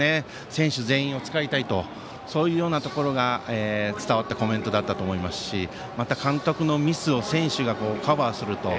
選手全員を使いたいというようなところから伝わったコメントだったと思いますしまた、監督のミスを選手がカバーする。